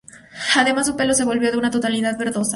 Además su pelo se volvió de una tonalidad verdosa.